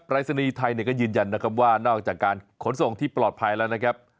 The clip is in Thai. รายศนีย์ไทยก็ยืนยันนะครับว่านอกจากการขนส่งที่ปลอดภัยแล้วนะครับ